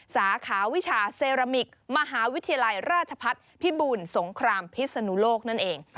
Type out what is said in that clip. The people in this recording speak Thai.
สาขาวิชาเซรามิกมหาวิทยาลัยราชพัฒน์พิบูลสงครามพิศนุโลกนั่นเอง